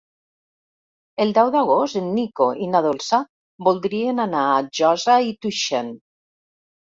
El deu d'agost en Nico i na Dolça voldrien anar a Josa i Tuixén.